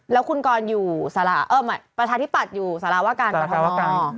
แล้วปัชฌาติภัทรอยู่งสาราวะกาลพรทธ์ท้อ